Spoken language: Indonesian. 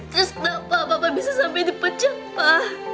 terus kenapa papa bisa sampai dipecah pa